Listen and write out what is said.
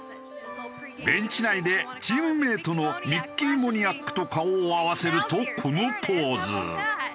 ベンチ内でチームメートのミッキー・モニアックと顔を合わせるとこのポーズ。